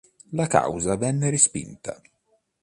La causa venne respinta.